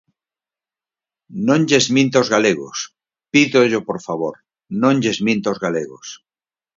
Non lles minta aos galegos, pídollo por favor, non lles minta aos galegos.